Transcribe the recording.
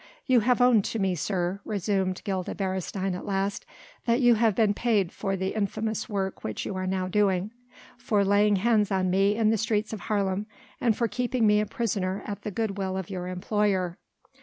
"You have owned to me, sir," resumed Gilda Beresteyn at last, "that you have been paid for the infamous work which you are doing now; for laying hands on me in the streets of Haarlem and for keeping me a prisoner at the good will of your employer.